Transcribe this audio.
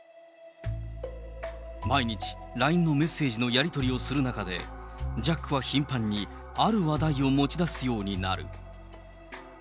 毎日、ＬＩＮＥのメッセージのやり取りをする中で、ジャックは頻繁にある話題を持ち出すようになる。